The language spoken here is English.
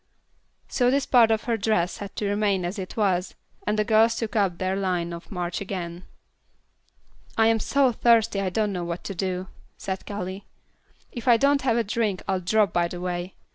So this part of her dress had to remain as it was, and the girls took up their line of march again. "I am so thirsty I don't know what to do," said Callie. "If I don't have a drink I'll drop by the way.